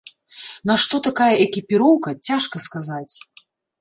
Нашто такая экіпіроўка, цяжка сказаць.